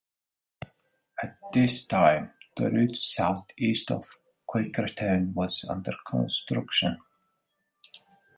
At this time, the route southeast of Quakertown was under construction.